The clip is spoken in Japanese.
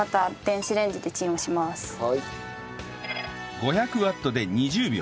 ５００ワットで２０秒